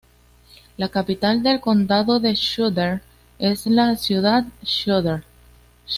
La capital del condado de Shkodër es la ciudad Shkodër.